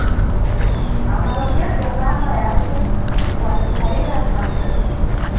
Ambalongedza kama yace ndipo acipsayira thambwe.